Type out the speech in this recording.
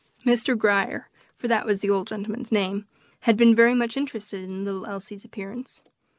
Mr. Grier for that was the old gentleman's name had been much interested in the little Elsie's appearance.